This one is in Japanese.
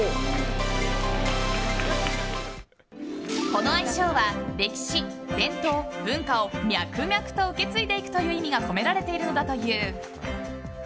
この愛称は歴史、伝統、文化を脈々と受け継いでいくという意味が込められているのだという。